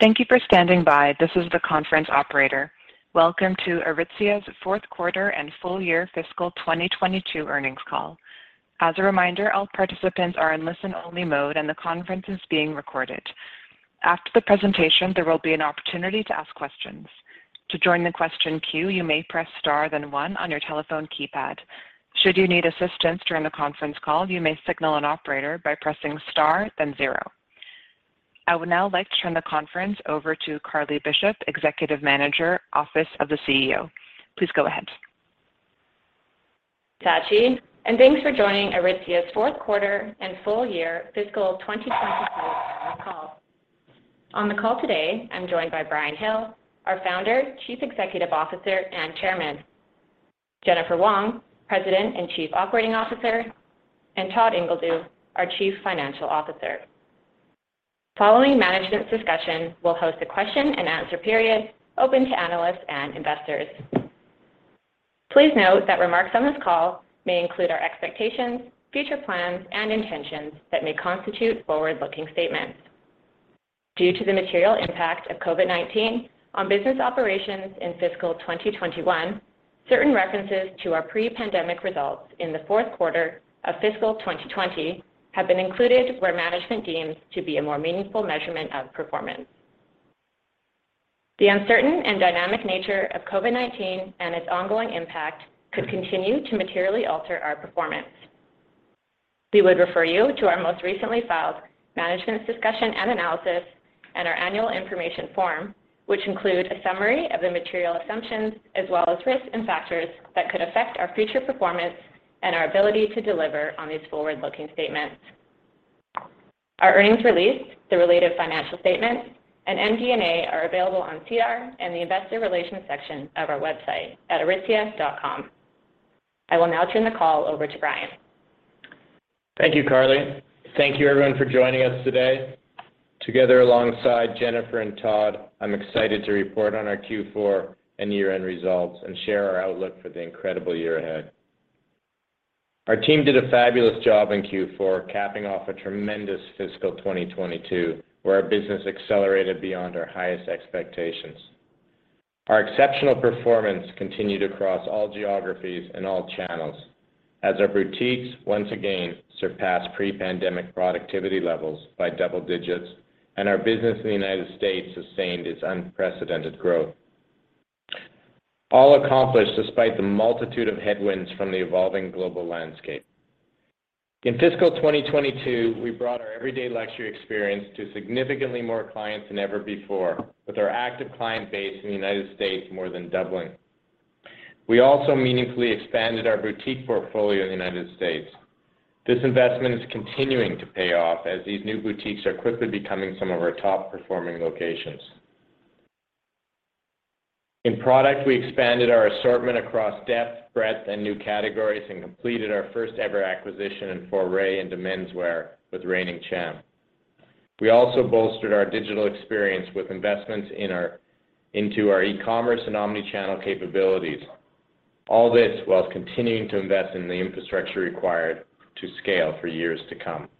Thank you for standing by. This is the conference operator. Welcome to Aritzia's fourth quarter and full year fiscal 2022 earnings call. As a reminder, all participants are in listen-only mode and the conference is being recorded. After the presentation, there will be an opportunity to ask questions. To join the question queue, you may press star then one on your telephone keypad. Should you need assistance during the conference call, you may signal an operator by pressing star then zero. I would now like to turn the conference over to Carly Bishop, Executive Manager, Office of the CEO. Please go ahead. Thanks for joining Aritzia's fourth quarter and full year fiscal 2022 earnings call. On the call today, I'm joined by Brian Hill, our Founder, Chief Executive Officer and Chairman. Jennifer Wong, President and Chief Operating Officer, and Todd Ingledew, our Chief Financial Officer. Following management's discussion, we'll host a question and answer period open to analysts and investors. Please note that remarks on this call may include our expectations, future plans and intentions that may constitute forward-looking statements. Due to the material impact of COVID-19 on business operations in fiscal 2021, certain references to our pre-pandemic results in the fourth quarter of fiscal 2020 have been included where management deems to be a more meaningful measurement of performance. The uncertain and dynamic nature of COVID-19 and its ongoing impact could continue to materially alter our performance. We would refer you to our most recently filed management's discussion and analysis and our annual information form, which include a summary of the material assumptions as well as risks and factors that could affect our future performance and our ability to deliver on these forward-looking statements. Our earnings release, the related financial statements and MD&A are available on SEDAR and the investor relations section of our website at aritzia.com. I will now turn the call over to Brian. Thank you, Carly. Thank you everyone for joining us today. Together alongside Jennifer and Todd, I'm excited to report on our Q4 and year-end results and share our outlook for the incredible year ahead. Our team did a fabulous job in Q4, capping off a tremendous fiscal 2022, where our business accelerated beyond our highest expectations. Our exceptional performance continued across all geographies and all channels as our boutiques once again surpassed pre-pandemic productivity levels by double digits and our business in the United States sustained its unprecedented growth. All accomplished despite the multitude of headwinds from the evolving global landscape. In fiscal 2022, we brought our everyday luxury experience to significantly more clients than ever before with our active client base in the United States more than doubling. We also meaningfully expanded our boutique portfolio in the United States. This investment is continuing to pay off as these new boutiques are quickly becoming some of our top-performing locations. In product, we expanded our assortment across depth, breadth and new categories and completed our first ever acquisition and foray into menswear with Reigning Champ. We also bolstered our digital experience with investments in our e-commerce and omni-channel capabilities. All this while continuing to invest in the infrastructure required to scale for years to come.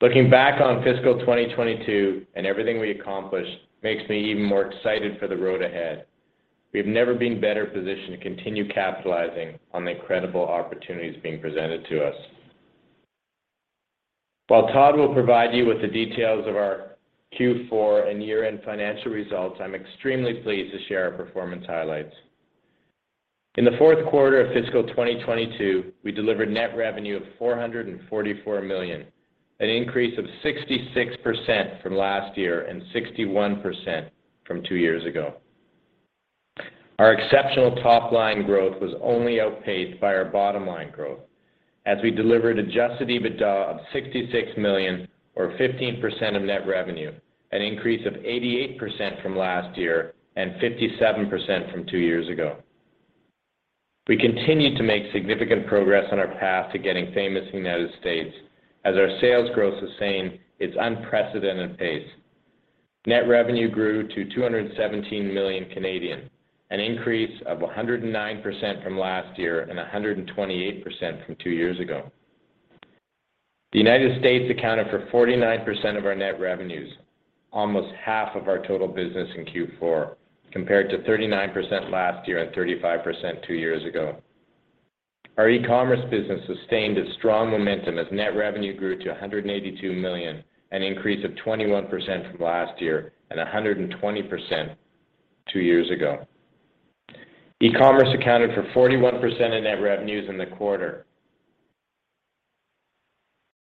Looking back on fiscal 2022 and everything we accomplished makes me even more excited for the road ahead. We've never been better positioned to continue capitalizing on the incredible opportunities being presented to us. While Todd will provide you with the details of our Q4 and year-end financial results, I'm extremely pleased to share our performance highlights. In the fourth quarter of fiscal 2022, we delivered net revenue of 444 million, an increase of 66% from last year and 61% from two years ago. Our exceptional top line growth was only outpaced by our bottom line growth as we delivered adjusted EBITDA of 66 million or 15% of net revenue, an increase of 88% from last year and 57% from two years ago. We continued to make significant progress on our path to getting famous in the United States as our sales growth sustained its unprecedented pace. Net revenue grew to 217 million, an increase of 109% from last year and 128% from two years ago. The United States accounted for 49% of our net revenues, almost half of our total business in Q4, compared to 39% last year and 35% two years ago. Our e-commerce business sustained its strong momentum as net revenue grew to 182 million, an increase of 21% from last year and 120% two years ago. E-commerce accounted for 41% of net revenues in the quarter.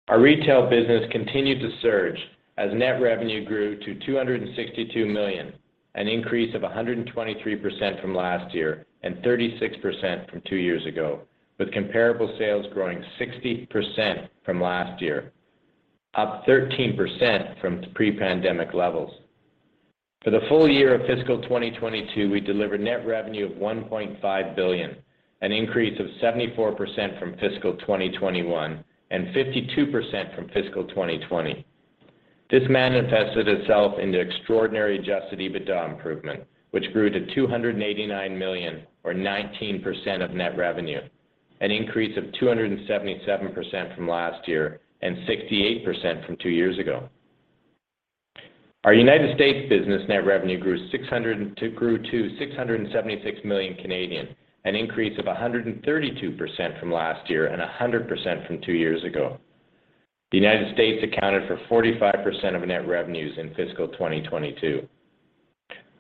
Our retail business continued to surge as net revenue grew to 262 million, an increase of 123% from last year and 36% from two years ago, with comparable sales growing 60% from last year, up 13% from pre-pandemic levels. For the full year of fiscal 2022, we delivered net revenue of 1.5 billion, an increase of 74% from fiscal 2021 and 52% from fiscal 2020. This manifested itself into extraordinary adjusted EBITDA improvement, which grew to 289 million or 19% of net revenue. An increase of 277% from last year and 68% from two years ago. Our United States business net revenue grew to 676 million Canadian, an increase of 132% from last year and 100% from two years ago. The United States accounted for 45% of net revenues in fiscal 2022.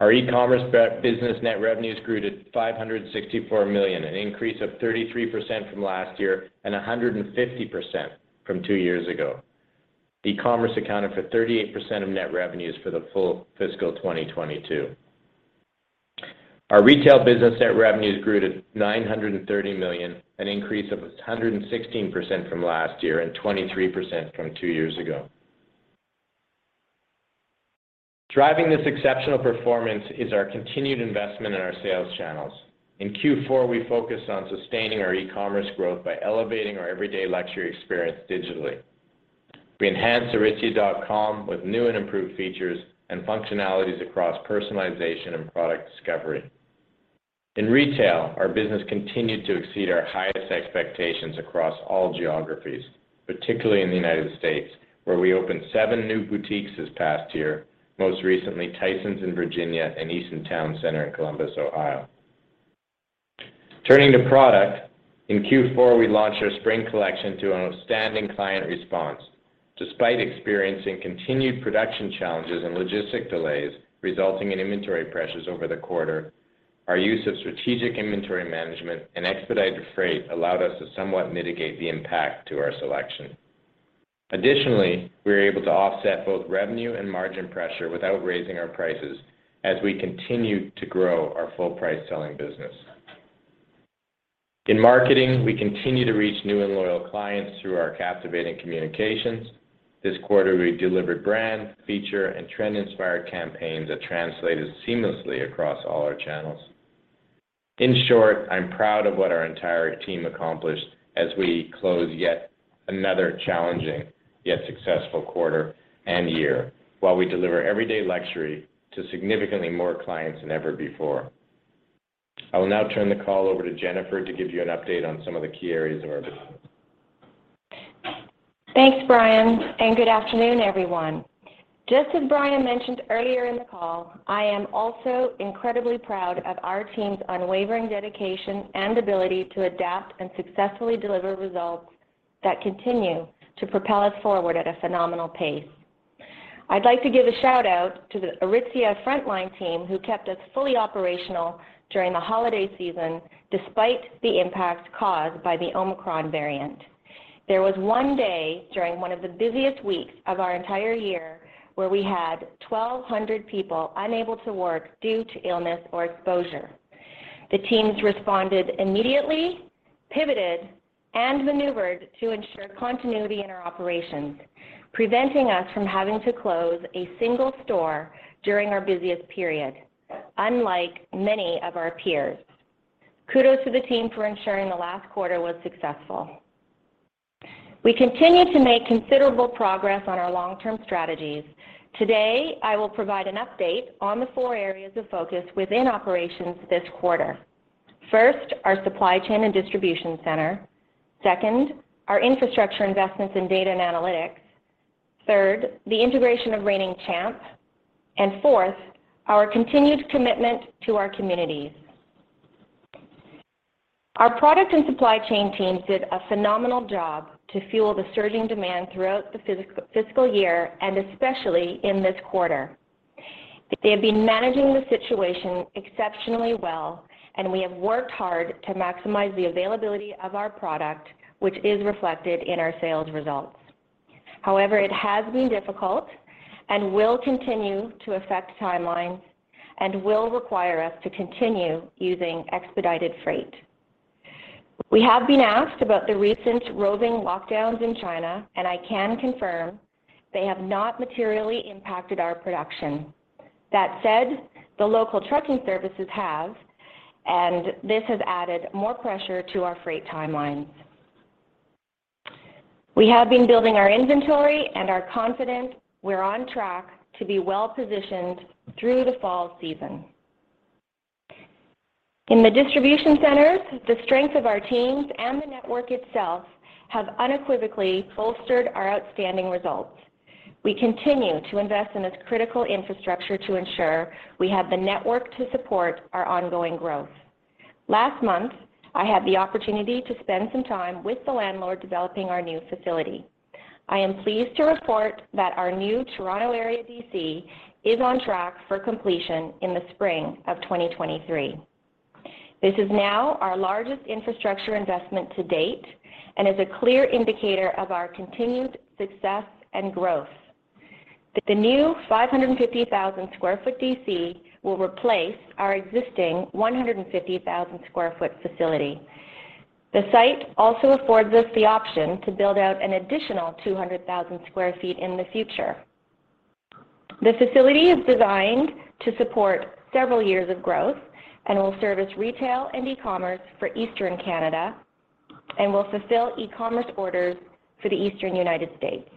Our e-commerce business net revenues grew to 564 million, an increase of 33% from last year, and 150% from two years ago. E-commerce accounted for 38% of net revenues for the full fiscal 2022. Our retail business net revenues grew to 930 million, an increase of 116% from last year, and 23% from two years ago. Driving this exceptional performance is our continued investment in our sales channels. In Q4, we focused on sustaining our e-commerce growth by elevating our everyday luxury experience digitally. We enhanced Aritzia.com with new and improved features and functionalities across personalization and product discovery. In retail, our business continued to exceed our highest expectations across all geographies, particularly in the United States, where we opened seven new boutiques this past year, most recently Tysons in Virginia and Easton Town Center in Columbus, Ohio. Turning to product, in Q4, we launched our spring collection to an outstanding client response. Despite experiencing continued production challenges and logistical delays, resulting in inventory pressures over the quarter, our use of strategic inventory management and expedited freight allowed us to somewhat mitigate the impact to our selection. Additionally, we were able to offset both revenue and margin pressure without raising our prices as we continued to grow our full-price selling business. In marketing, we continue to reach new and loyal clients through our captivating communications. This quarter, we delivered brand, feature, and trend-inspired campaigns that translated seamlessly across all our channels. In short, I'm proud of what our entire team accomplished as we close yet another challenging, yet successful quarter and year while we deliver everyday luxury to significantly more clients than ever before. I will now turn the call over to Jennifer to give you an update on some of the key areas of our business. Thanks, Brian, and good afternoon, everyone. Just as Brian mentioned earlier in the call, I am also incredibly proud of our team's unwavering dedication and ability to adapt and successfully deliver results that continue to propel us forward at a phenomenal pace. I'd like to give a shout-out to the Aritzia frontline team who kept us fully operational during the holiday season despite the impact caused by the Omicron variant. There was one day during one of the busiest weeks of our entire year where we had 1,200 people unable to work due to illness or exposure. The teams responded immediately, pivoted, and maneuvered to ensure continuity in our operations, preventing us from having to close a single store during our busiest period, unlike many of our peers. Kudos to the team for ensuring the last quarter was successful. We continue to make considerable progress on our long-term strategies. Today, I will provide an update on the four areas of focus within operations this quarter. First, our supply chain and distribution center. Second, our infrastructure investments in data and analytics. Third, the integration of Reigning Champ. Fourth, our continued commitment to our communities. Our product and supply chain teams did a phenomenal job to fuel the surging demand throughout the fiscal year and especially in this quarter. They have been managing the situation exceptionally well, and we have worked hard to maximize the availability of our product, which is reflected in our sales results. However, it has been difficult and will continue to affect timelines and will require us to continue using expedited freight. We have been asked about the recent rolling lockdowns in China, and I can confirm they have not materially impacted our production. That said, the local trucking services have, and this has added more pressure to our freight timelines. We have been building our inventory and are confident we're on track to be well-positioned through the fall season. In the distribution centers, the strength of our teams and the network itself have unequivocally bolstered our outstanding results. We continue to invest in this critical infrastructure to ensure we have the network to support our ongoing growth. Last month, I had the opportunity to spend some time with the landlord developing our new facility. I am pleased to report that our new Toronto area DC is on track for completion in the spring of 2023. This is now our largest infrastructure investment to date and is a clear indicator of our continued success and growth. The new 550,000 sq ft DC will replace our existing 150,000 sq ft facility. The site also affords us the option to build out an additional 200,000 sq ft in the future. The facility is designed to support several years of growth and will service retail and e-commerce for Eastern Canada and will fulfill e-commerce orders for the Eastern United States.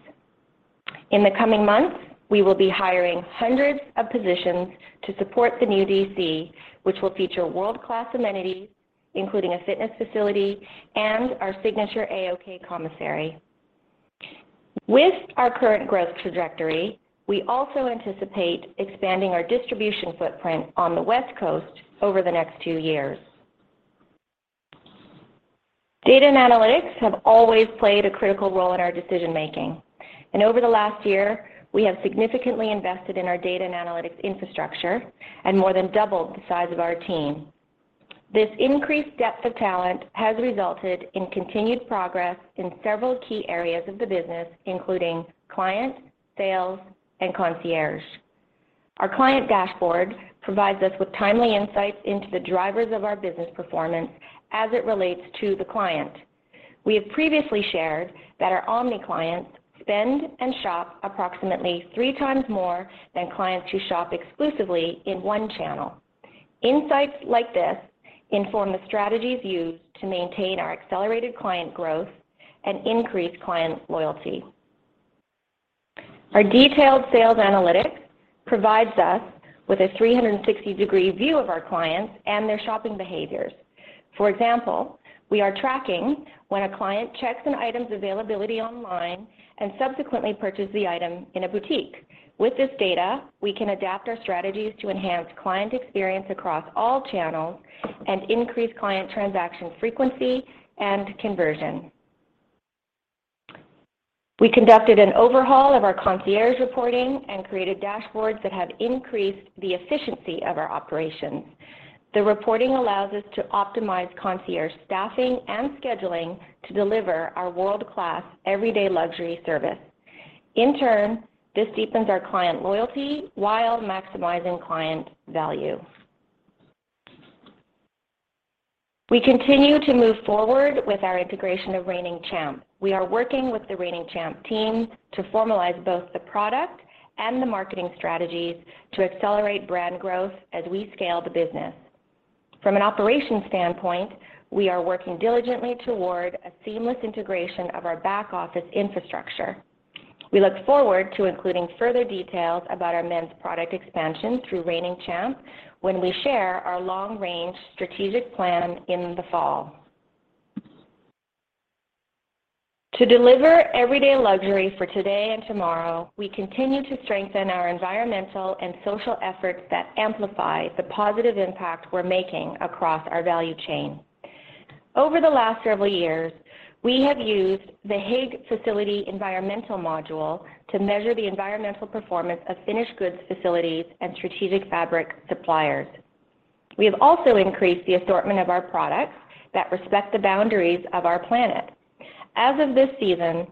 In the coming months, we will be hiring hundreds of positions to support the new DC, which will feature world-class amenities, including a fitness facility and our signature A-OK commissary. With our current growth trajectory, we also anticipate expanding our distribution footprint on the West Coast over the next two years. Data and analytics have always played a critical role in our decision-making, and over the last year, we have significantly invested in our data and analytics infrastructure and more than doubled the size of our team. This increased depth of talent has resulted in continued progress in several key areas of the business, including client, sales, and concierge. Our client dashboard provides us with timely insights into the drivers of our business performance as it relates to the client. We have previously shared that our omni clients spend and shop approximately three times more than clients who shop exclusively in one channel. Insights like this inform the strategies used to maintain our accelerated client growth and increase client loyalty. Our detailed sales analytics provides us with a 360-degree view of our clients and their shopping behaviors. For example, we are tracking when a client checks an item's availability online and subsequently purchase the item in a boutique. With this data, we can adapt our strategies to enhance client experience across all channels and increase client transaction frequency and conversion. We conducted an overhaul of our concierge reporting and created dashboards that have increased the efficiency of our operations. The reporting allows us to optimize concierge staffing and scheduling to deliver our world-class everyday luxury service. In turn, this deepens our client loyalty while maximizing client value. We continue to move forward with our integration of Reigning Champ. We are working with the Reigning Champ team to formalize both the product and the marketing strategies to accelerate brand growth as we scale the business. From an operations standpoint, we are working diligently toward a seamless integration of our back-office infrastructure. We look forward to including further details about our men's product expansion through Reigning Champ when we share our long-range strategic plan in the fall. To deliver everyday luxury for today and tomorrow, we continue to strengthen our environmental and social efforts that amplify the positive impact we're making across our value chain. Over the last several years, we have used the Higg Facility Environmental Module to measure the environmental performance of finished goods facilities and strategic fabric suppliers. We have also increased the assortment of our products that respect the boundaries of our planet. As of this season,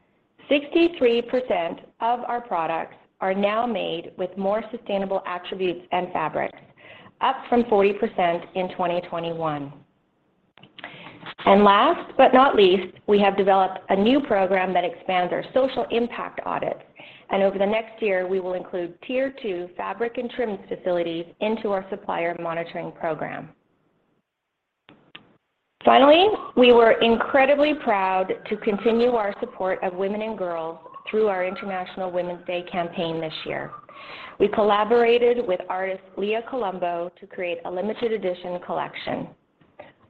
63% of our products are now made with more sustainable attributes and fabrics, up from 40% in 2021. Last but not least, we have developed a new program that expands our social impact audit, and over the next year, we will include Tier 2 fabric and trims facilities into our supplier monitoring program. Finally, we were incredibly proud to continue our support of women and girls through our International Women's Day campaign this year. We collaborated with artist Lea Colombo to create a limited edition collection.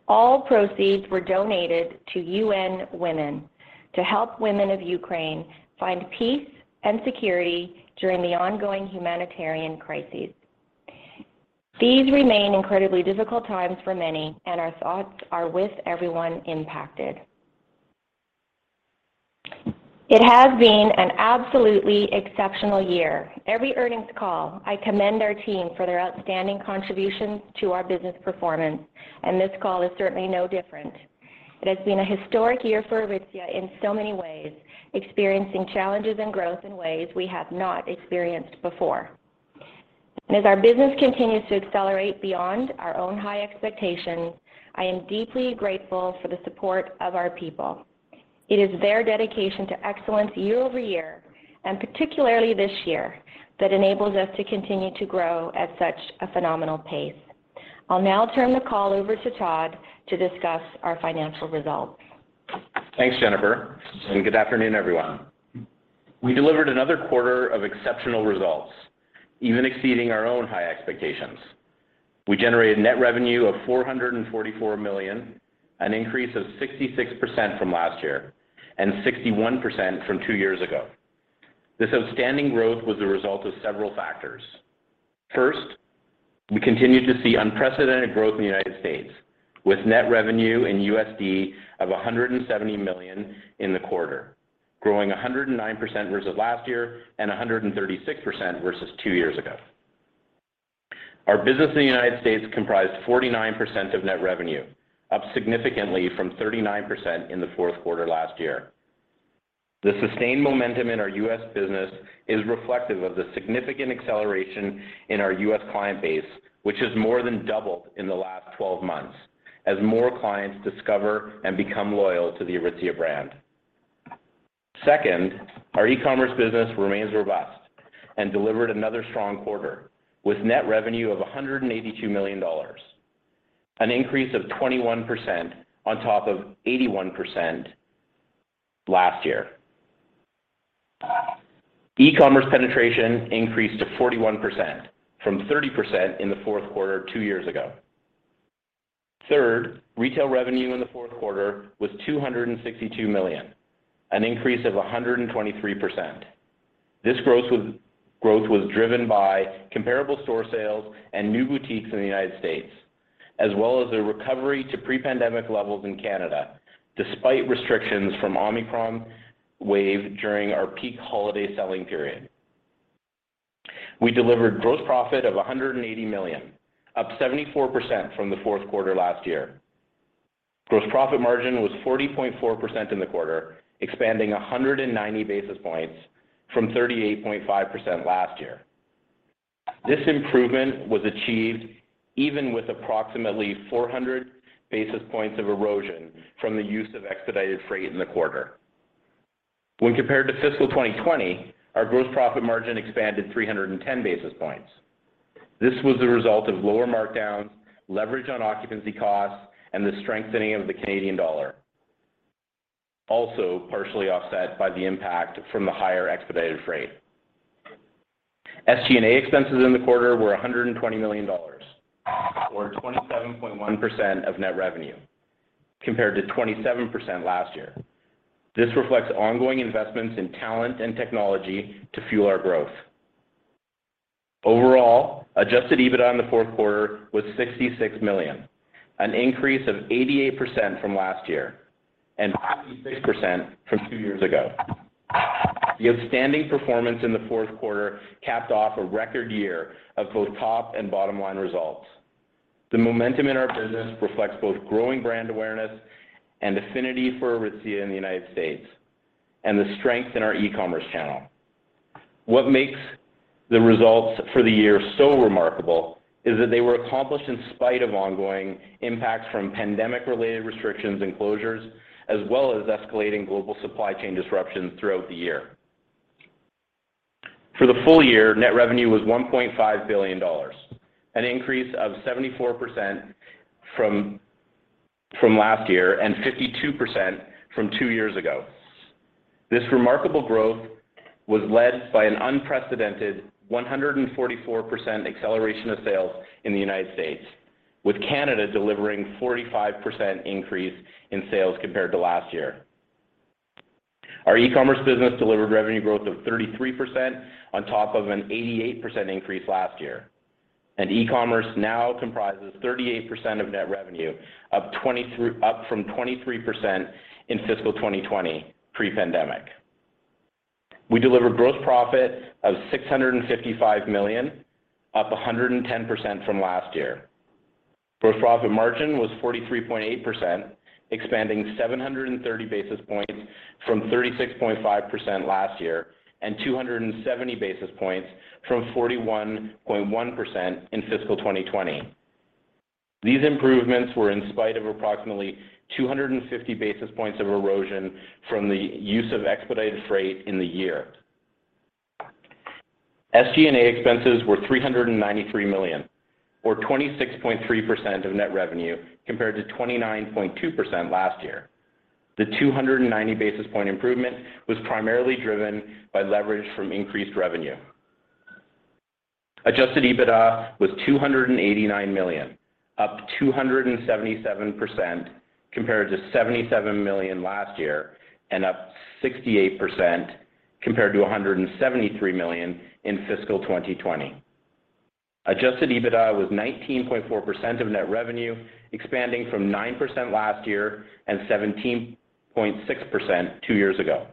All proceeds were donated to UN Women to help women of Ukraine find peace and security during the ongoing humanitarian crises. These remain incredibly difficult times for many, and our thoughts are with everyone impacted. It has been an absolutely exceptional year. Every earnings call, I commend our team for their outstanding contributions to our business performance, and this call is certainly no different. It has been a historic year for Aritzia in so many ways, experiencing challenges and growth in ways we have not experienced before. As our business continues to accelerate beyond our own high expectations, I am deeply grateful for the support of our people. It is their dedication to excellence year-over-year, and particularly this year, that enables us to continue to grow at such a phenomenal pace. I'll now turn the call over to Todd to discuss our financial results. Thanks, Jennifer, and good afternoon, everyone. We delivered another quarter of exceptional results, even exceeding our own high expectations. We generated net revenue of 444 million, an increase of 66% from last year and 61% from two years ago. This outstanding growth was the result of several factors. First, we continue to see unprecedented growth in the United States with net revenue in USD of $170 million in the quarter, growing 109% versus last year and 136% versus two years ago. Our business in the United States comprised 49% of net revenue, up significantly from 39% in the fourth quarter last year. The sustained momentum in our U.S. business is reflective of the significant acceleration in our U.S. client base, which has more than doubled in the last 12 months as more clients discover and become loyal to the Aritzia brand. Second, our e-commerce business remains robust and delivered another strong quarter with net revenue of 182 million dollars. An increase of 21% on top of 81% last year. E-commerce penetration increased to 41% from 30% in the fourth quarter two years ago. Third, retail revenue in the fourth quarter was 262 million, an increase of 123%. This growth was driven by comparable store sales and new boutiques in the United States, as well as a recovery to pre-pandemic levels in Canada, despite restrictions from Omicron wave during our peak holiday selling period. We delivered gross profit of 180 million, up 74% from the fourth quarter last year. Gross profit margin was 40.4% in the quarter, expanding 190 basis points from 38.5% last year. This improvement was achieved even with approximately 400 basis points of erosion from the use of expedited freight in the quarter. When compared to fiscal 2020, our gross profit margin expanded 310 basis points. This was the result of lower markdowns, leverage on occupancy costs, and the strengthening of the Canadian dollar. Also, partially offset by the impact from the higher expedited freight. SG&A expenses in the quarter were 120 million dollars or 27.1% of net revenue, compared to 27% last year. This reflects ongoing investments in talent and technology to fuel our growth. Overall, adjusted EBITDA in the fourth quarter was 66 million, an increase of 88% from last year, and 66% from two years ago. The outstanding performance in the fourth quarter capped off a record year of both top and bottom line results. The momentum in our business reflects both growing brand awareness and affinity for Aritzia in the United States and the strength in our e-commerce channel. What makes the results for the year so remarkable is that they were accomplished in spite of ongoing impacts from pandemic-related restrictions and closures, as well as escalating global supply chain disruptions throughout the year. For the full year, net revenue was 1.5 billion dollars, an increase of 74% from last year and 52% from two years ago. This remarkable growth was led by an unprecedented 144% acceleration of sales in the United States, with Canada delivering 45% increase in sales compared to last year. Our e-commerce business delivered revenue growth of 33% on top of an 88% increase last year, and e-commerce now comprises 38% of net revenue, up from 23% in fiscal 2020 pre-pandemic. We delivered gross profit of 655 million, up 110% from last year. Gross profit margin was 43.8%, expanding 730 basis points from 36.5% last year and 270 basis points from 41.1% in fiscal 2020. These improvements were in spite of approximately 250 basis points of erosion from the use of expedited freight in the year. SG&A expenses were 393 million or 26.3% of net revenue compared to 29.2% last year. The 290 basis point improvement was primarily driven by leverage from increased revenue. Adjusted EBITDA was 289 million, up 277% compared to 77 million last year, and up 68% compared to 173 million in fiscal 2020. Adjusted EBITDA was 19.4% of net revenue, expanding from 9% last year and 17.6% two years ago.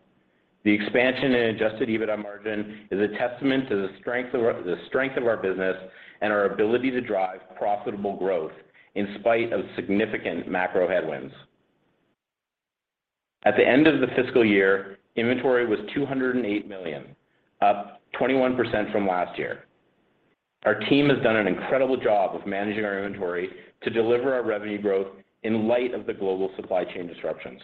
The expansion in adjusted EBITDA margin is a testament to the strength of our business and our ability to drive profitable growth in spite of significant macro headwinds. At the end of the fiscal year, inventory was 208 million, up 21% from last year. Our team has done an incredible job of managing our inventory to deliver our revenue growth in light of the global supply chain disruptions.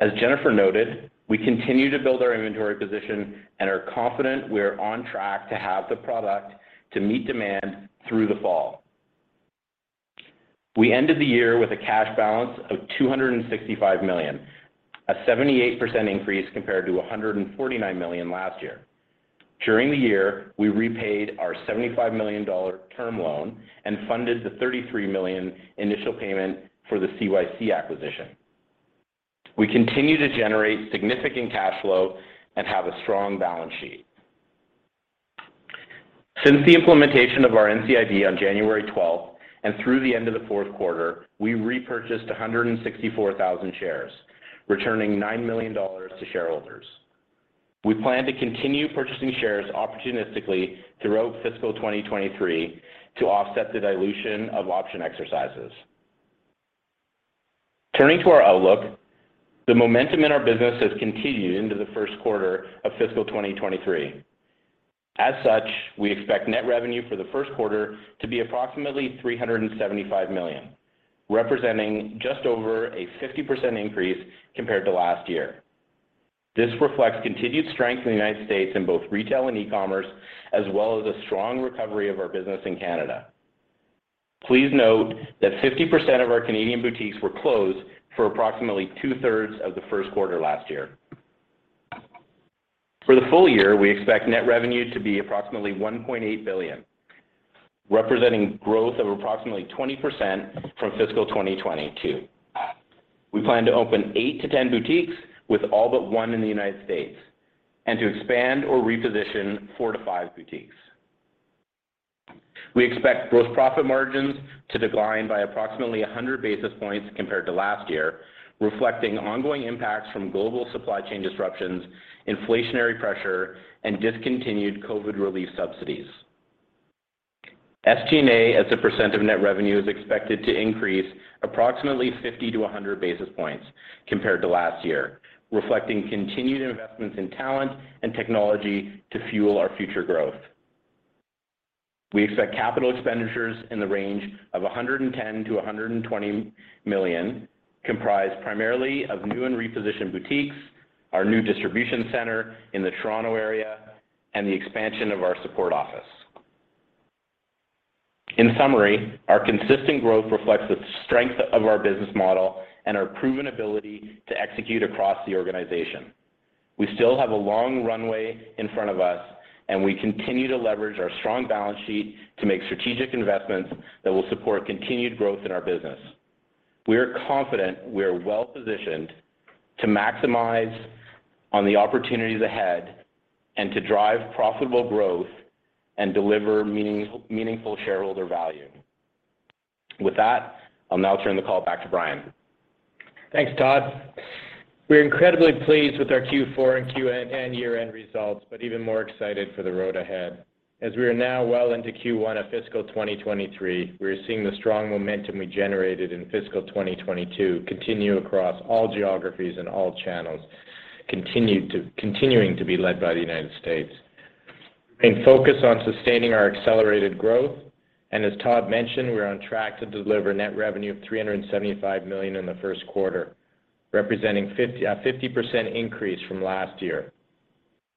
As Jennifer noted, we continue to build our inventory position and are confident we are on track to have the product to meet demand through the fall. We ended the year with a cash balance of 265 million, a 78% increase compared to 149 million last year. During the year, we repaid our 75 million dollar term loan and funded the 33 million initial payment for the CYC acquisition. We continue to generate significant cash flow and have a strong balance sheet. Since the implementation of our NCIB on January 12th and through the end of the fourth quarter, we repurchased 164,000 shares, returning 9 million dollars to shareholders. We plan to continue purchasing shares opportunistically throughout fiscal 2023 to offset the dilution of option exercises. Turning to our outlook, the momentum in our business has continued into the first quarter of fiscal 2023. As such, we expect net revenue for the first quarter to be approximately 375 million, representing just over a 50% increase compared to last year. This reflects continued strength in the United States in both retail and e-commerce, as well as a strong recovery of our business in Canada. Please note that 50% of our Canadian boutiques were closed for approximately two-thirds of the first quarter last year. For the full year, we expect net revenue to be approximately 1.8 billion, representing growth of approximately 20% from fiscal 2022. We plan to open eigth-10 boutiques with all but one in the United States and to expand or reposition four-five boutiques. We expect gross profit margins to decline by approximately 100 basis points compared to last year, reflecting ongoing impacts from global supply chain disruptions, inflationary pressure and discontinued COVID relief subsidies. SG&A as a percent of net revenue is expected to increase approximately 50-100 basis points compared to last year, reflecting continued investments in talent and technology to fuel our future growth. We expect capital expenditures in the range of 110-120 million, comprised primarily of new and repositioned boutiques, our new distribution center in the Toronto area, and the expansion of our support office. In summary, our consistent growth reflects the strength of our business model and our proven ability to execute across the organization. We still have a long runway in front of us, and we continue to leverage our strong balance sheet to make strategic investments that will support continued growth in our business. We are confident we are well-positioned to maximize on the opportunities ahead and to drive profitable growth and deliver meaningful shareholder value. With that, I'll now turn the call back to Brian. Thanks, Todd. We're incredibly pleased with our Q4 and year-end results, but even more excited for the road ahead. As we are now well into Q1 of fiscal 2023, we are seeing the strong momentum we generated in fiscal 2022 continue across all geographies and all channels, continuing to be led by the United States. With a focus on sustaining our accelerated growth, and as Todd mentioned, we are on track to deliver net revenue of 375 million in the first quarter, representing 50% increase from last year.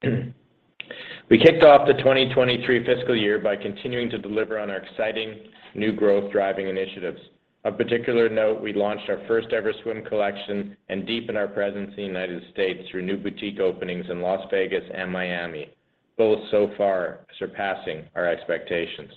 We kicked off the 2023 fiscal year by continuing to deliver on our exciting new growth-driving initiatives. Of particular note, we launched our first-ever swim collection and deepened our presence in the United States through new boutique openings in Las Vegas and Miami, both so far surpassing our expectations.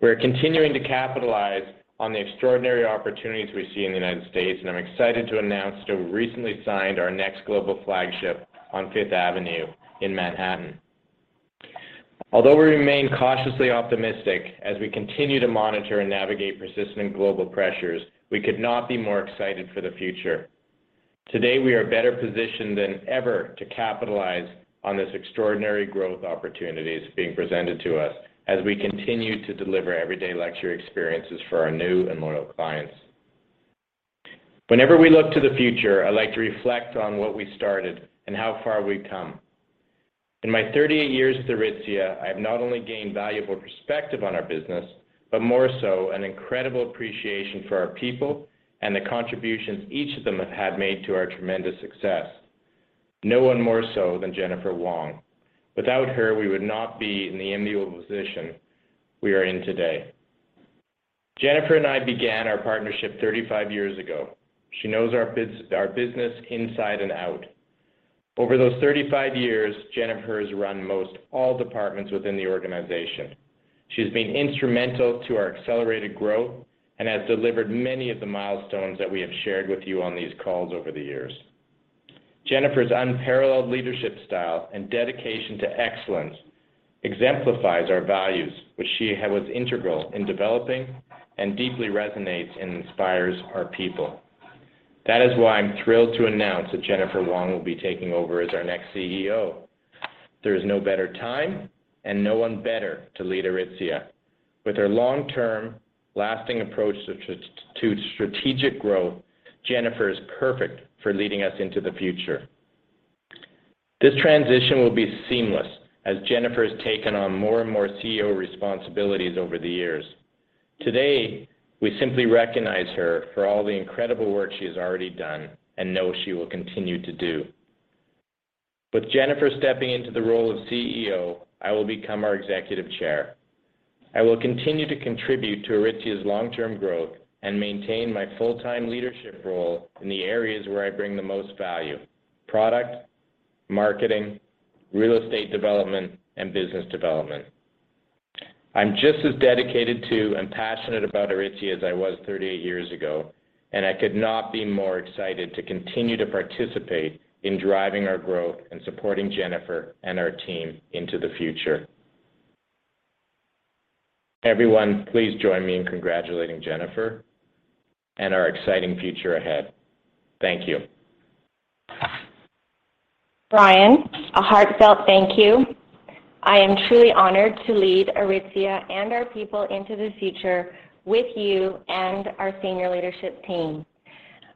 We are continuing to capitalize on the extraordinary opportunities we see in the United States, and I'm excited to announce that we recently signed our next global flagship on Fifth Avenue in Manhattan. Although we remain cautiously optimistic as we continue to monitor and navigate persistent global pressures, we could not be more excited for the future. Today, we are better positioned than ever to capitalize on this extraordinary growth opportunities being presented to us as we continue to deliver everyday luxury experiences for our new and loyal clients. Whenever we look to the future, I like to reflect on what we started and how far we've come. In my 38 years at Aritzia, I have not only gained valuable perspective on our business, but more so an incredible appreciation for our people and the contributions each of them have had made to our tremendous success. No one more so than Jennifer Wong. Without her, we would not be in the enviable position we are in today. Jennifer and I began our partnership 35 years ago. She knows our business inside and out. Over those 35 years, Jennifer has run most all departments within the organization. She has been instrumental to our accelerated growth and has delivered many of the milestones that we have shared with you on these calls over the years. Jennifer's unparalleled leadership style and dedication to excellence exemplifies our values, which she was integral in developing and deeply resonates and inspires our people. That is why I'm thrilled to announce that Jennifer Wong will be taking over as our next CEO. There is no better time and no one better to lead Aritzia. With her long-term lasting approach to strategic growth, Jennifer is perfect for leading us into the future. This transition will be seamless as Jennifer has taken on more and more CEO responsibilities over the years. Today, we simply recognize her for all the incredible work she has already done and know she will continue to do. With Jennifer stepping into the role of CEO, I will become our executive chair. I will continue to contribute to Aritzia's long-term growth and maintain my full-time leadership role in the areas where I bring the most value, product, marketing, real estate development, and business development. I'm just as dedicated to and passionate about Aritzia as I was 38 years ago, and I could not be more excited to continue to participate in driving our growth and supporting Jennifer and our team into the future. Everyone, please join me in congratulating Jennifer and our exciting future ahead. Thank you. Brian, a heartfelt thank you. I am truly honored to lead Aritzia and our people into the future with you and our senior leadership team.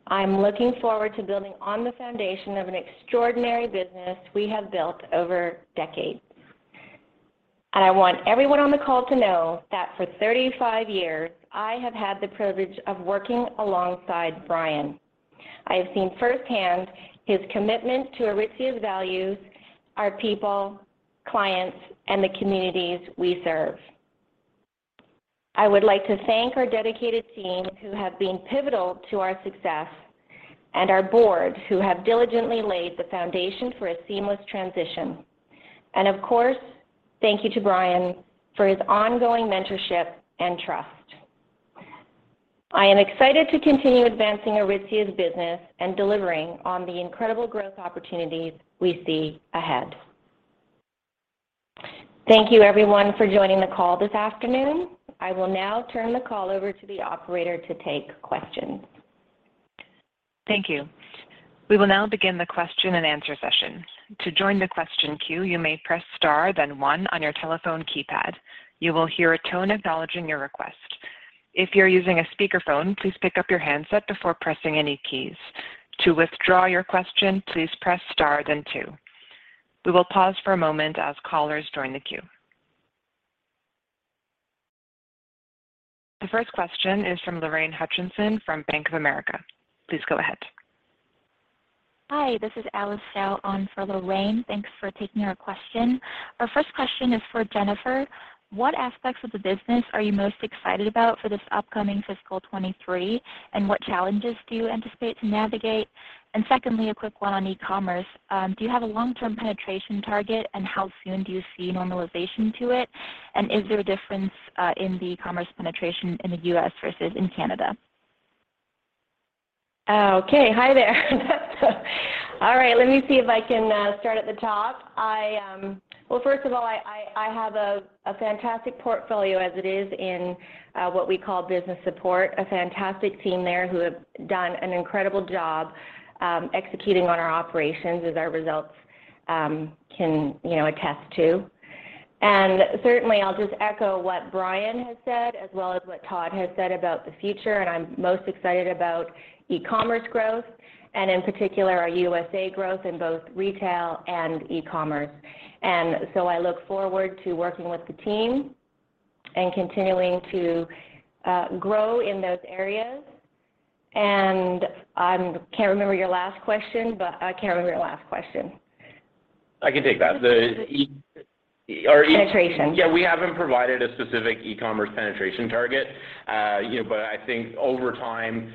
I'm looking forward to building on the foundation of an extraordinary business we have built over decades. I want everyone on the call to know that for 35 years, I have had the privilege of working alongside Brian. I have seen firsthand his commitment to Aritzia's values, our people, clients, and the communities we serve. I would like to thank our dedicated team who have been pivotal to our success and our board who have diligently laid the foundation for a seamless transition. Of course, thank you to Brian for his ongoing mentorship and trust. I am excited to continue advancing Aritzia's business and delivering on the incredible growth opportunities we see ahead. Thank you everyone for joining the call this afternoon. I will now turn the call over to the operator to take questions. Thank you. We will now begin the question and answer session. To join the question queue, you may press star, then one on your telephone keypad. You will hear a tone acknowledging your request. If you're using a speakerphone, please pick up your handset before pressing any keys. To withdraw your question, please press star then two. We will pause for a moment as callers join the queue. The first question is from Lorraine Hutchinson from Bank of America. Please go ahead. Hi, this is Alice Xiao on for Lorraine. Thanks for taking our question. Our first question is for Jennifer. What aspects of the business are you most excited about for this upcoming fiscal 2023, and what challenges do you anticipate to navigate? Secondly, a quick one on e-commerce. Do you have a long-term penetration target, and how soon do you see normalization to it? Is there a difference in the commerce penetration in the U.S. versus in Canada? Okay. Hi there. All right, let me see if I can start at the top. Well, first of all, I have a fantastic portfolio as it is in what we call business support. A fantastic team there who have done an incredible job executing on our operations as our results can, you know, attest to. Certainly, I'll just echo what Brian has said as well as what Todd has said about the future, and I'm most excited about e-commerce growth and in particular our USA growth in both retail and e-commerce. I look forward to working with the team and continuing to grow in those areas. I can't remember your last question. I can take that. Penetration. Yeah. We haven't provided a specific e-commerce penetration target. You know, but I think over time,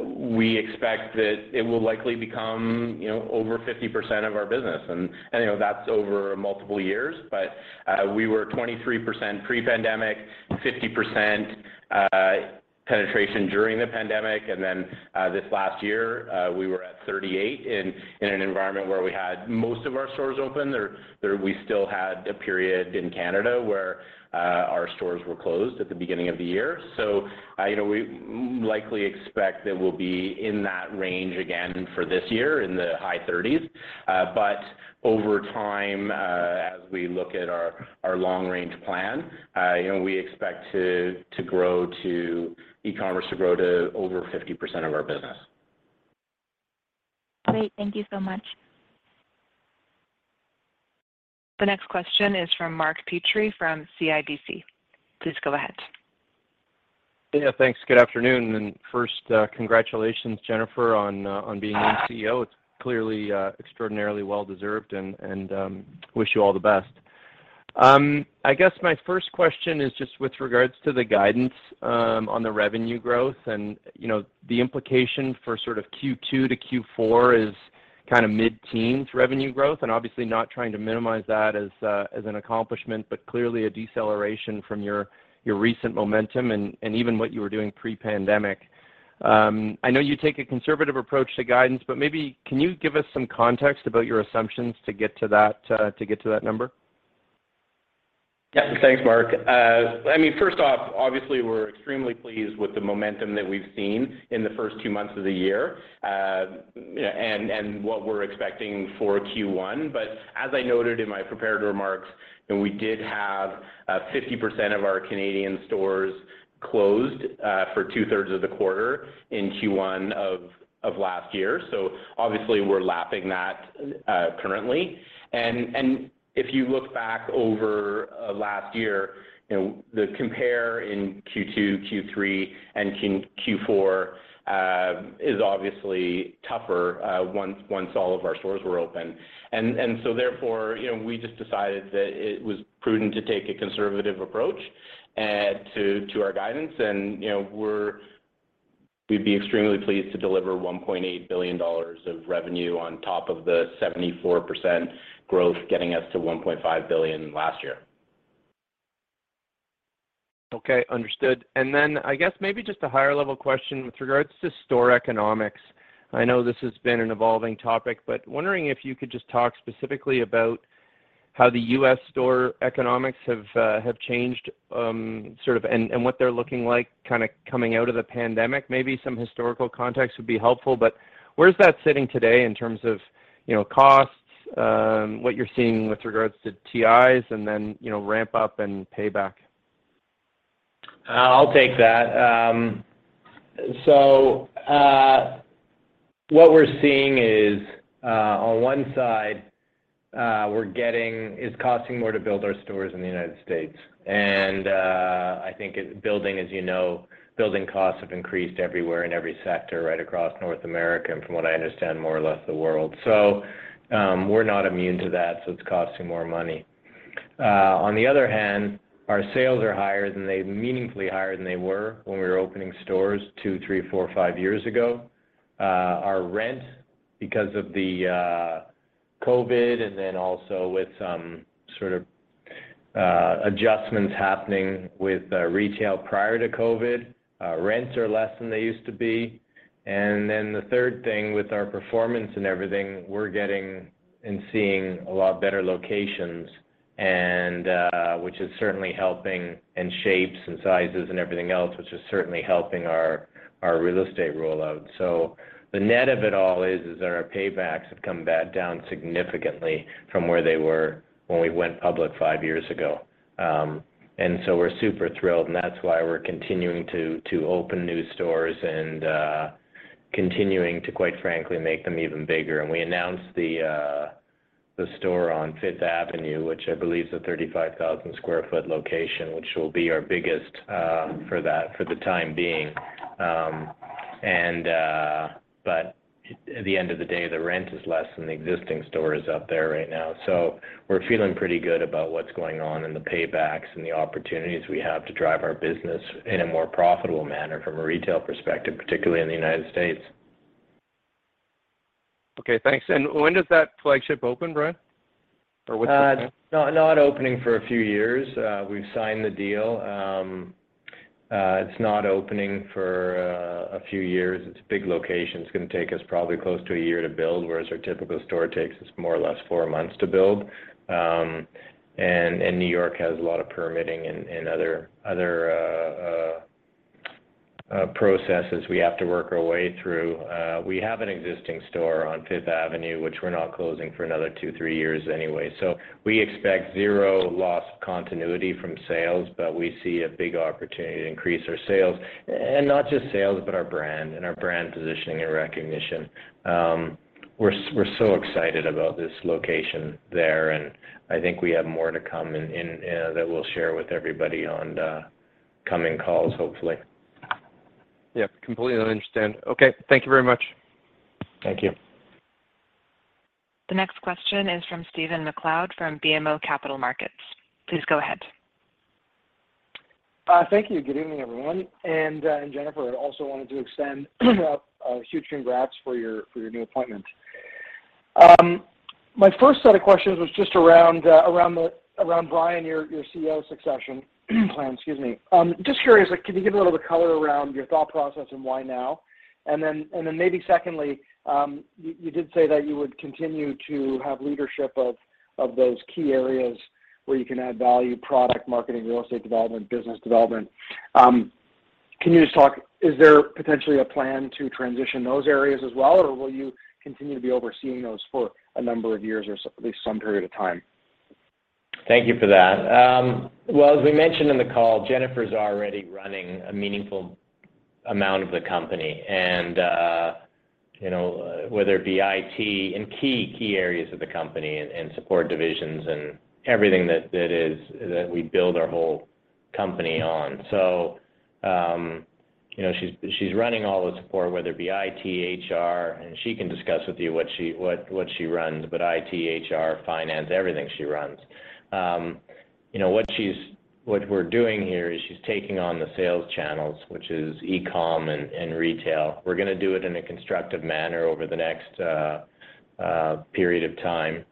we expect that it will likely become, you know, over 50% of our business. You know, that's over multiple years, but we were 23% pre-pandemic, 50% penetration during the pandemic, and then this last year, we were at 38% in an environment where we had most of our stores open. There we still had a period in Canada where our stores were closed at the beginning of the year. You know, we likely expect that we'll be in that range again for this year in the high 30s. But over time, as we look at our long range plan, you know, we expect to grow to. e-commerce to grow to over 50% of our business. Great. Thank you so much. The next question is from Mark Petrie from CIBC. Please go ahead. Yeah, thanks. Good afternoon, and first, congratulations, Jennifer, on being new CEO. It's clearly extraordinarily well-deserved and wish you all the best. I guess my first question is just with regards to the guidance on the revenue growth and, you know, the implication for sort of Q2-Q4 is kind of mid-teens revenue growth, and obviously not trying to minimize that as an accomplishment, but clearly a deceleration from your recent momentum and even what you were doing pre-pandemic. I know you take a conservative approach to guidance, but maybe can you give us some context about your assumptions to get to that number? Yeah. Thanks, Mark. I mean, first off, obviously, we're extremely pleased with the momentum that we've seen in the first two months of the year, and what we're expecting for Q1. As I noted in my prepared remarks, we did have 50% of our Canadian stores closed for two-thirds of the quarter in Q1 of last year. Obviously we're lapping that currently. If you look back over last year, the compare in Q2, Q3, and Q4 is obviously tougher once all of our stores were open. you know, we just decided that it was prudent to take a conservative approach to our guidance and, you know, we'd be extremely pleased to deliver 1.8 billion dollars of revenue on top of the 74% growth getting us to 1.5 billion last year. Okay. Understood. I guess maybe just a higher level question with regards to store economics. I know this has been an evolving topic, but wondering if you could just talk specifically about how the U.S. store economics have changed, sort of and what they're looking like kinda coming out of the pandemic. Maybe some historical context would be helpful, but where is that sitting today in terms of, you know, costs, what you're seeing with regards to TIs and then, you know, ramp up and payback? I'll take that. What we're seeing is, on one side, it's costing more to build our stores in the United States. I think, as you know, building costs have increased everywhere in every sector right across North America, and from what I understand, more or less the world. We're not immune to that, so it's costing more money. On the other hand, our sales are meaningfully higher than they were when we were opening stores two, three, four, five years ago. Our rent, because of the COVID and then also with some sort of adjustments happening with retail prior to COVID, rents are less than they used to be. The third thing with our performance and everything, we're getting and seeing a lot better locations and, which is certainly helping in shapes and sizes and everything else, which is certainly helping our real estate rollout. The net of it all is that our paybacks have come back down significantly from where they were when we went public 5 years ago. We're super thrilled, and that's why we're continuing to open new stores and continuing to, quite frankly, make them even bigger. We announced the store on Fifth Avenue, which I believe is a 35,000 sq ft location, which will be our biggest for the time being. At the end of the day, the rent is less than the existing stores up there right now. We're feeling pretty good about what's going on in the paybacks and the opportunities we have to drive our business in a more profitable manner from a retail perspective, particularly in the United States. Okay, thanks. When does that flagship open, Brian? Or what's the plan? Not opening for a few years. We've signed the deal. It's not opening for a few years. It's a big location. It's gonna take us probably close to a year to build, whereas our typical store takes us more or less four months to build. New York has a lot of permitting and other processes we have to work our way through. We have an existing store on Fifth Avenue, which we're not closing for another two, three years anyway. We expect zero loss of continuity from sales, but we see a big opportunity to increase our sales, and not just sales, but our brand and our brand positioning and recognition. We're so excited about this location there, and I think we have more to come and that we'll share with everybody on the coming calls, hopefully. Yeah, completely understand. Okay, thank you very much. Thank you. The next question is from Stephen MacLeod from BMO Capital Markets. Please go ahead. Thank you. Good evening, everyone. Jennifer, I also wanted to extend a huge congrats for your new appointment. My first set of questions was just around Brian's CEO succession plan. Excuse me. Just curious, like, can you give a little bit of color around your thought process and why now? Maybe secondly, you did say that you would continue to have leadership of those key areas where you can add value, product marketing, real estate development, business development. Is there potentially a plan to transition those areas as well, or will you continue to be overseeing those for a number of years or at least some period of time? Thank you for that. Well, as we mentioned in the call, Jennifer's already running a meaningful amount of the company and, you know, whether it be IT and key areas of the company and support divisions and everything that we build our whole company on. You know, she's running all the support, whether it be IT, HR, and she can discuss with you what she runs, but IT, HR, finance, everything she runs. You know, what we're doing here is she's taking on the sales channels, which is e-com and retail. We're gonna do it in a constructive manner over the next period of time.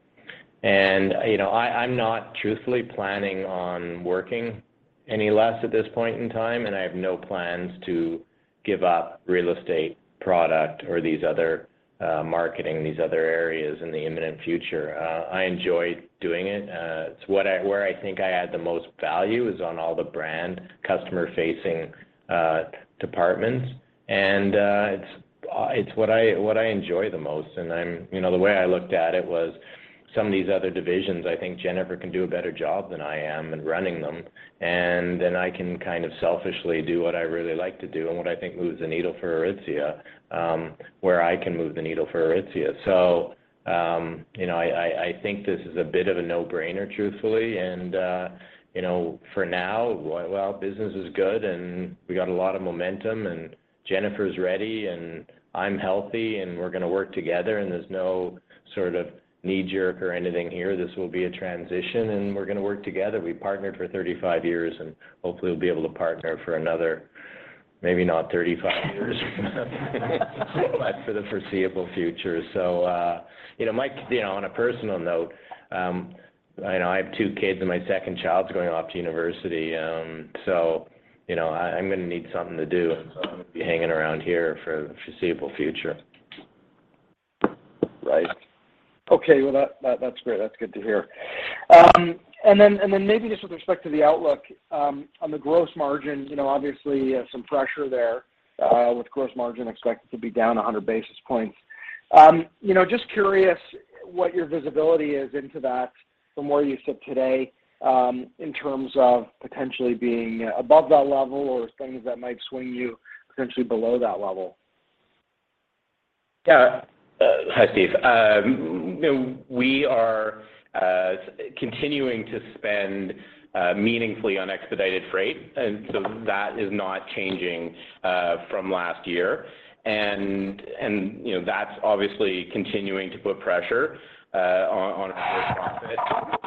You know, I'm not truthfully planning on working any less at this point in time, and I have no plans to give up real estate, product or these other marketing, these other areas in the imminent future. I enjoy doing it. Where I think I add the most value is on all the brand customer-facing departments. It's what I enjoy the most. You know, the way I looked at it was some of these other divisions, I think Jennifer can do a better job than I am in running them. Then I can kind of selfishly do what I really like to do and what I think moves the needle for Aritzia, where I can move the needle for Aritzia. You know, I think this is a bit of a no-brainer, truthfully. You know, for now, well, business is good, and we got a lot of momentum, and Jennifer's ready, and I'm healthy, and we're gonna work together, and there's no sort of knee-jerk or anything here. This will be a transition, and we're gonna work together. We partnered for 35 years, and hopefully we'll be able to partner for another maybe not 35 years but for the foreseeable future. You know, my. You know, on a personal note, you know, I have two kids, and my second child's going off to university. You know, I'm gonna need something to do, and so I'm gonna be hanging around here for the foreseeable future. Right. Okay. Well, that's great. That's good to hear. Maybe just with respect to the outlook on the gross margins, you know, obviously, some pressure there with gross margin expected to be down 100 basis points. you know, just curious what your visibility is into that from where you sit today, in terms of potentially being above that level or things that might swing you potentially below that level. Yeah. Hi, Steve. You know, we are continuing to spend meaningfully on expedited freight, and so that is not changing from last year. You know, that's obviously continuing to put pressure on our gross profit.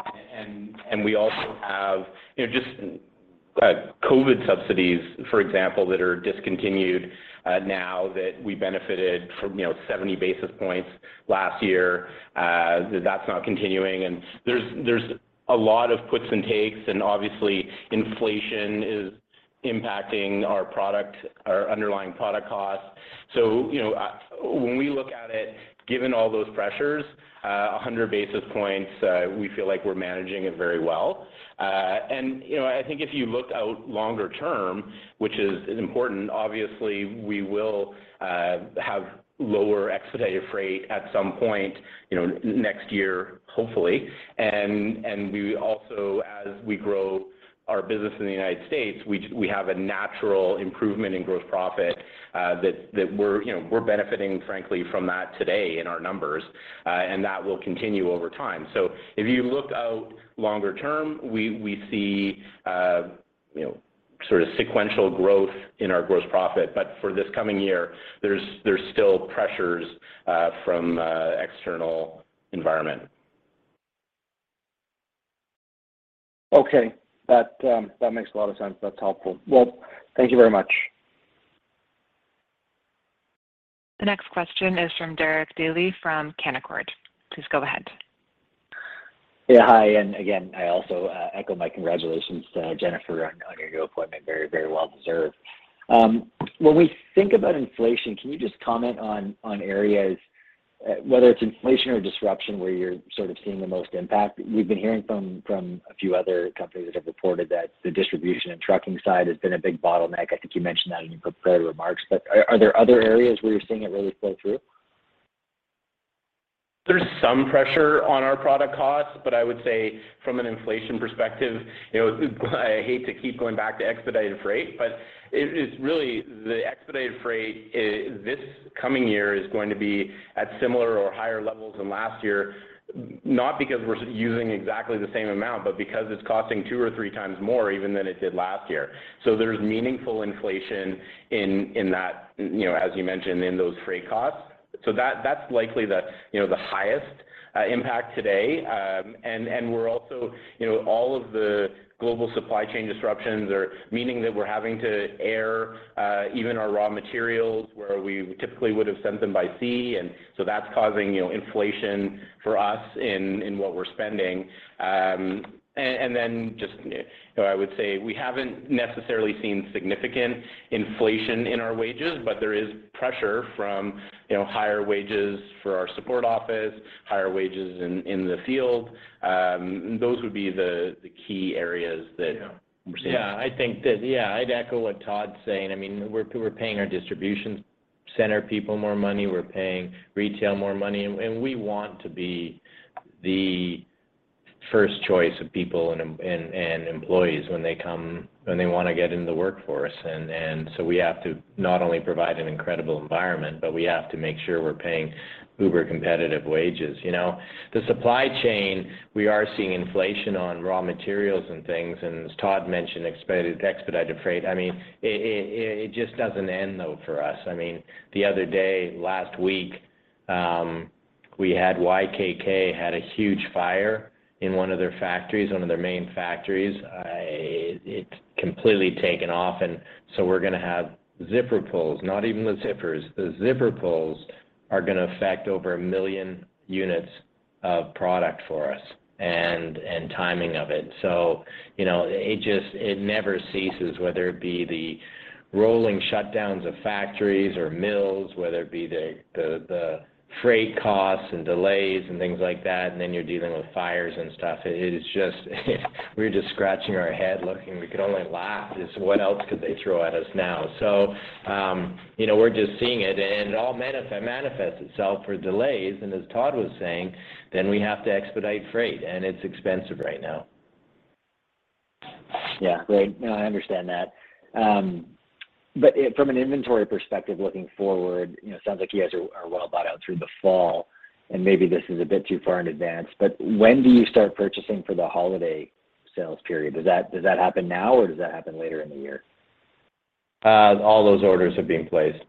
We also have, you know, just COVID subsidies, for example, that are discontinued now that we benefited from 70 basis points last year. That's not continuing. There's a lot of puts and takes, and obviously inflation is impacting our product, our underlying product costs. You know, when we look at it, given all those pressures, 100 basis points, we feel like we're managing it very well. You know, I think if you look out longer term, which is important, obviously we will have lower expedited freight at some point, you know, next year, hopefully. We also, as we grow our business in the United States, we have a natural improvement in gross profit, that we're, you know, we're benefiting frankly from that today in our numbers, and that will continue over time. If you look out longer term, we see, you know, sort of sequential growth in our gross profit. For this coming year, there's still pressures from external environment. Okay. That makes a lot of sense. That's helpful. Well, thank you very much. The next question is from Derek Dley from Canaccord Genuity. Please go ahead. Yeah. Hi, and again, I also echo my congratulations to Jennifer on your new appointment. Very, very well deserved. When we think about inflation, can you just comment on areas, whether it's inflation or disruption, where you're sort of seeing the most impact? We've been hearing from a few other companies that have reported that the distribution and trucking side has been a big bottleneck. I think you mentioned that in your prepared remarks, but are there other areas where you're seeing it really flow through? There's some pressure on our product costs, but I would say from an inflation perspective, you know, I hate to keep going back to expedited freight, but it is really the expedited freight this coming year is going to be at similar or higher levels than last year, not because we're using exactly the same amount, but because it's costing two or three times more even than it did last year. So there's meaningful inflation in that, you know, as you mentioned, in those freight costs. So that's likely the, you know, the highest impact today. And we're also, you know, all of the global supply chain disruptions are meaning that we're having to air even our raw materials, where we typically would've sent them by sea. And so that's causing, you know, inflation for us in what we're spending. You know, I would say we haven't necessarily seen significant inflation in our wages, but there is pressure from, you know, higher wages for our support office, higher wages in the field. Those would be the key areas that we're seeing. Yeah. I think that, yeah, I'd echo what Todd's saying. I mean, we're paying our distribution center people more money. We're paying retail more money, and we want to be the first choice of people and employees when they come, when they want to get in the workforce. We have to not only provide an incredible environment, but we have to make sure we're paying uber competitive wages, you know. The supply chain, we are seeing inflation on raw materials and things, and as Todd mentioned, expedited freight. I mean, it just doesn't end though for us. I mean, the other day, last week, YKK had a huge fire in one of their factories, one of their main factories. It completely taken off, and so we're gonna have zipper pulls, not even the zippers. The zipper pulls are gonna affect over 1 million units of product for us and timing of it. You know, it never ceases, whether it be the rolling shutdowns of factories or mills, whether it be the freight costs and delays and things like that, and then you're dealing with fires and stuff. It is just we're scratching our head looking. We can only laugh. Just what else could they throw at us now? You know, we're just seeing it, and it all manifests itself for delays. As Todd was saying, then we have to expedite freight, and it's expensive right now. Yeah. Great. No, I understand that. From an inventory perspective looking forward, you know, sounds like you guys are well bought out through the fall, and maybe this is a bit too far in advance, but when do you start purchasing for the holiday sales period? Does that happen now, or does that happen later in the year? All those orders have been placed.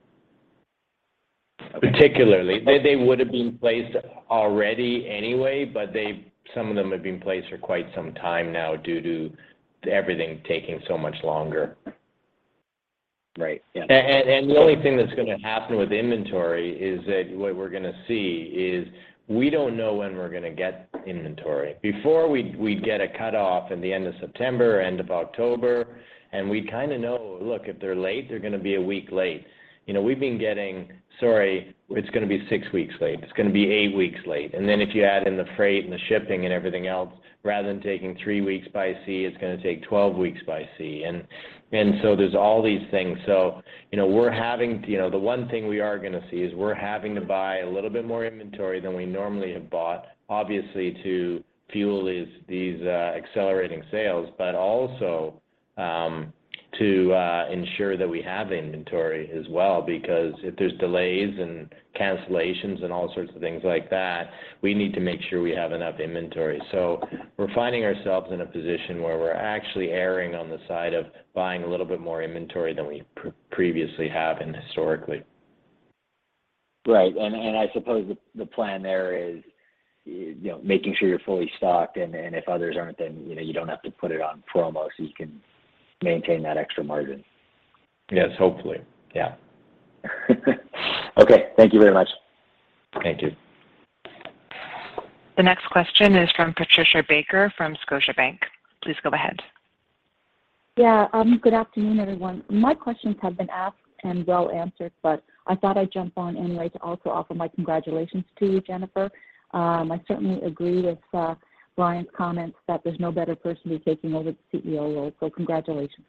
Okay. Particularly. They would've been placed already anyway, but they, some of them have been placed for quite some time now due to everything taking so much longer. Right. Yeah. The only thing that's gonna happen with inventory is that what we're gonna see is we don't know when we're gonna get inventory. Before, we'd get a cutoff in the end of September or end of October, and we'd kinda know, look, if they're late, they're gonna be a week late. You know, we've been getting, "Sorry, it's gonna be six weeks late. It's gonna be eight weeks late." If you add in the freight and the shipping and everything else, rather than taking three weeks by sea, it's gonna take 12 weeks by sea. There's all these things. You know, we're having. You know, the one thing we are gonna see is we're having to buy a little bit more inventory than we normally have bought, obviously to fuel these accelerating sales, but also to ensure that we have inventory as well because if there's delays and cancellations and all sorts of things like that, we need to make sure we have enough inventory. We're finding ourselves in a position where we're actually erring on the side of buying a little bit more inventory than we previously have and historically. Right. I suppose the plan there is, you know, making sure you're fully stocked, and if others aren't, then, you know, you don't have to put it on promo so you can maintain that extra margin. Yes, hopefully. Yeah. Okay, thank you very much. Thank you. The next question is from Patricia Baker from Scotiabank. Please go ahead. Yeah. Good afternoon, everyone. My questions have been asked and well answered, but I thought I'd jump on anyway to also offer my congratulations to you, Jennifer. I certainly agree with Brian's comments that there's no better person to be taking over the CEO role, so congratulations.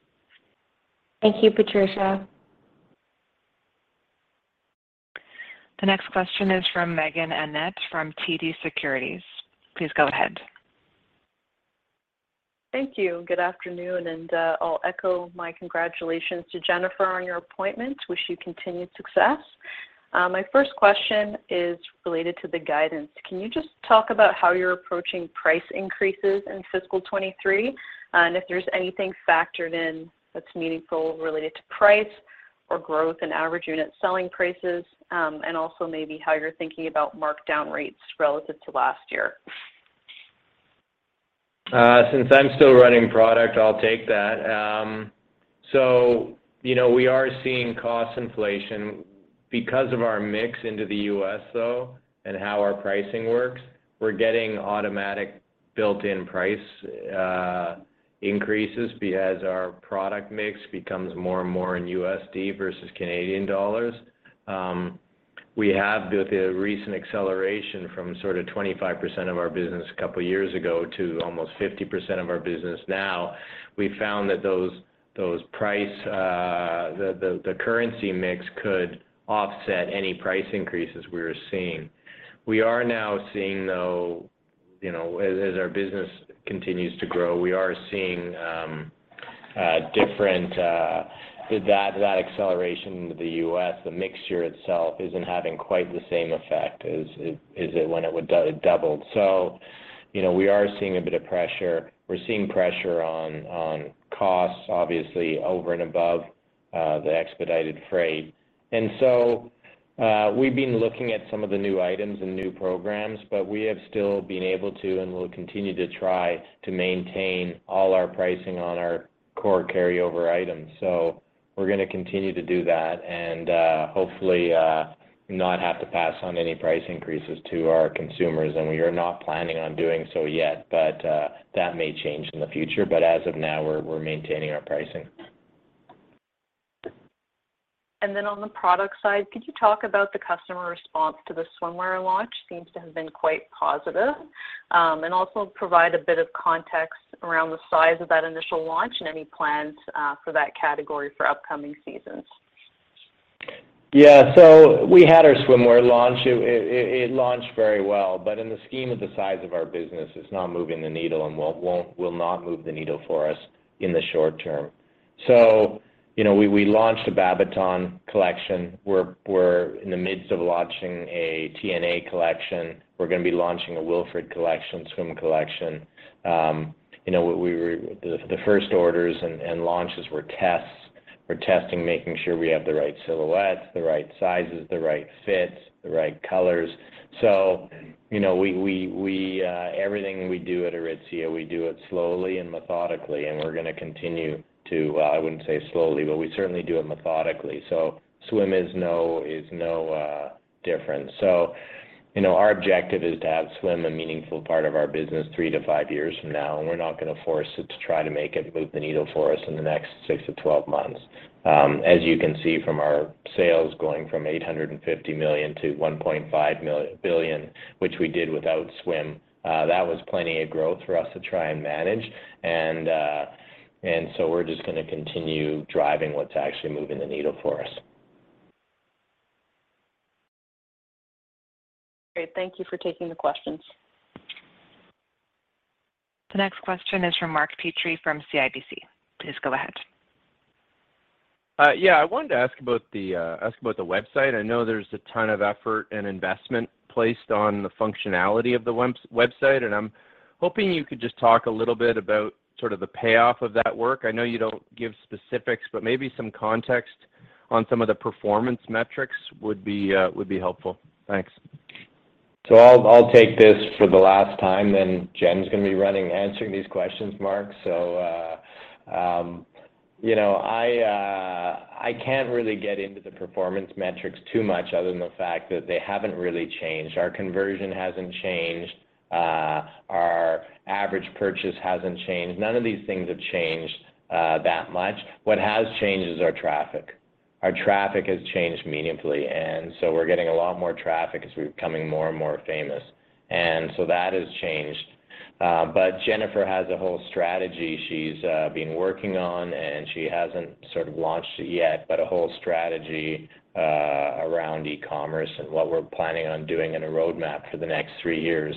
Thank you, Patricia. The next question is from Meaghen Annett from TD Securities. Please go ahead. Thank you. Good afternoon, and I'll echo my congratulations to Jennifer on your appointment. Wish you continued success. My first question is related to the guidance. Can you just talk about how you're approaching price increases in fiscal 2023, and if there's anything factored in that's meaningful related to price or growth in average unit selling prices, and also maybe how you're thinking about markdown rates relative to last year? Since I'm still running product, I'll take that. You know, we are seeing cost inflation. Because of our mix into the U.S. though and how our pricing works, we're getting automatic built-in price increases because as our product mix becomes more and more in USD versus Canadian dollars. We have seen a recent acceleration from sort of 25% of our business a couple years ago to almost 50% of our business now. We found that the currency mix could offset any price increases we're seeing. We are now seeing though, you know, as our business continues to grow, we are seeing that acceleration into the U.S., the mix itself isn't having quite the same effect as it did when it doubled. You know, we are seeing a bit of pressure. We're seeing pressure on costs, obviously over and above the expedited freight. We've been looking at some of the new items and new programs, but we have still been able to and will continue to try to maintain all our pricing on our core carryover items. We're gonna continue to do that and, hopefully, not have to pass on any price increases to our consumers, and we are not planning on doing so yet. That may change in the future, but as of now we're maintaining our pricing. On the product side, could you talk about the customer response to the swimwear launch? Seems to have been quite positive. Also provide a bit of context around the size of that initial launch and any plans, for that category for upcoming seasons. Yeah. We had our swimwear launch. It launched very well, but in the scheme of the size of our business, it's not moving the needle and will not move the needle for us in the short term. You know, we launched the Babaton collection. We're in the midst of launching a TNA collection. We're gonna be launching a Wilfred collection, swim collection. You know, everything we do at Aritzia, we do it slowly and methodically, and we're gonna continue to I wouldn't say slowly, but we certainly do it methodically. Swim is no different You know, our objective is to have swim a meaningful part of our business 3-5 years from now, and we're not gonna force it to try to make it move the needle for us in the next 6-12 months. As you can see from our sales going from 850 million to 1.5 billion, which we did without swim, that was plenty of growth for us to try and manage. We're just gonna continue driving what's actually moving the needle for us. Great. Thank you for taking the questions. The next question is from Mark Petrie from CIBC. Please go ahead. I wanted to ask about the website. I know there's a ton of effort and investment placed on the functionality of the website, and I'm hoping you could just talk a little bit about sort of the payoff of that work. I know you don't give specifics, but maybe some context on some of the performance metrics would be helpful. Thanks. I'll take this for the last time, then Jen's gonna be running, answering these questions, Mark. I can't really get into the performance metrics too much other than the fact that they haven't really changed. Our conversion hasn't changed. Our average purchase hasn't changed. None of these things have changed that much. What has changed is our traffic. Our traffic has changed meaningfully, and so we're getting a lot more traffic as we're becoming more and more famous. That has changed. Jennifer has a whole strategy she's been working on, and she hasn't sort of launched it yet, around e-commerce and what we're planning on doing and a roadmap for the next three years.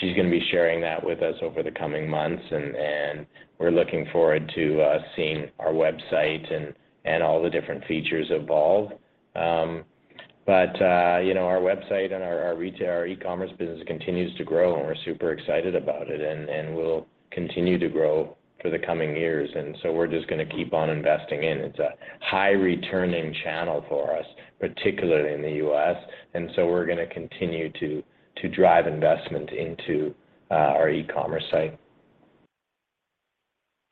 She's gonna be sharing that with us over the coming months, and we're looking forward to seeing our website and all the different features evolve. You know, our website and our retail, our e-commerce business continues to grow, and we're super excited about it, and will continue to grow for the coming years. We're just gonna keep on investing in. It's a high returning channel for us, particularly in the U.S., and so we're gonna continue to drive investment into our e-commerce site.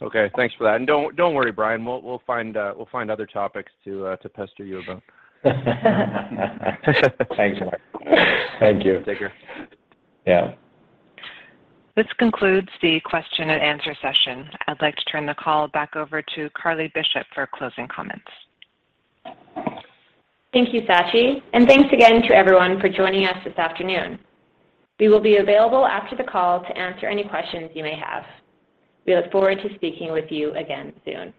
Okay, thanks for that. Don't worry, Brian. We'll find other topics to pester you about. Thanks, Mark. Thank you. Take care. Yeah. This concludes the question and answer session. I'd like to turn the call back over to Carly Bishop for closing comments. Thank you, Sachi, and thanks again to everyone for joining us this afternoon. We will be available after the call to answer any questions you may have. We look forward to speaking with you again soon.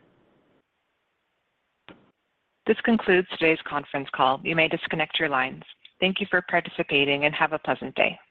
This concludes today's conference call. You may disconnect your lines. Thank you for participating, and have a pleasant day.